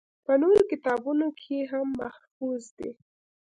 پۀ نورو کتابونو کښې هم محفوظ دي